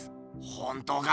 本当か？